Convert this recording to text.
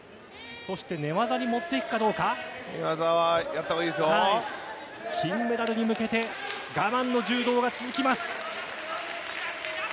そして、寝技はやったほうがいいです金メダルに向けて、我慢の柔道が続きます。